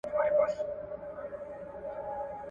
پرمختیا یوازي اقتصادي اړخ نه لري.